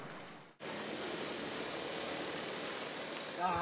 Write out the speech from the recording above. あ！